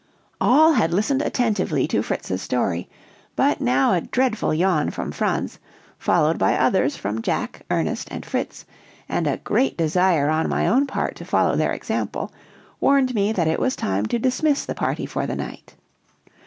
All had listened attentively to Fritz's story, but now a dreadful yawn from Franz, followed by others from Jack, Ernest, and Fritz, and a great desire on my own part to follow their example, warned me that it was time to dismiss the party for the night.